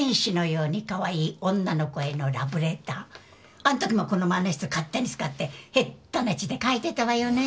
あの時もこの万年筆勝手に使って下手な字で書いてたわよね。